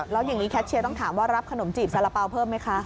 แล้วอย่างนี้แคทเชียร์ต้องถามว่ารับขนมจีบสารเป๋าเพิ่มไหมคะ